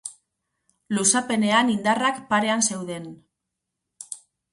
Luzapenean indarrak parean zeuden.